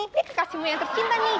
ini kekasihmu yang tercinta nih